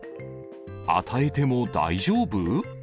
与えても大丈夫？